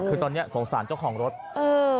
คือตอนนี้สงสารเจ้าของรถเออ